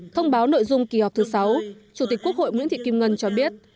thông báo nội dung kỳ họp thứ sáu chủ tịch quốc hội nguyễn thị kim ngân cho biết